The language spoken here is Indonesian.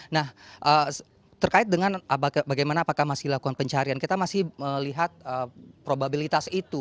nah terkait dengan bagaimana apakah masih lakukan pencarian kita masih melihat probabilitas itu